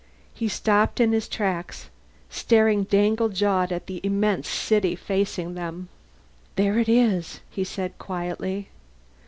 He stopped in his tracks, staring dangle jawed at the immense city facing them. "There it is," he said quietly.